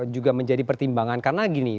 juga menjadi pertimbangan karena gini